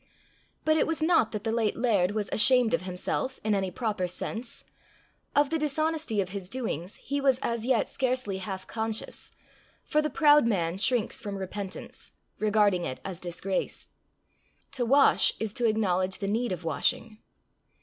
But it was not that the late laird was ashamed of himself in any proper sense. Of the dishonesty of his doings he was as yet scarcely half conscious, for the proud man shrinks from repentance, regarding it as disgrace. To wash is to acknowledge the need of washing.